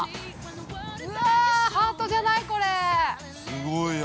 ◆すごいな。